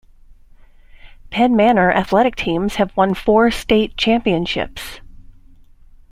Penn Manor athletic teams have won four state championships.